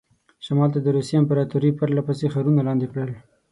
شمال ته د روسیې امپراطوري پرله پسې ښارونه لاندې کول.